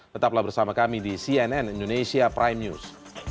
tetaplah bersama kami di cnn indonesia prime news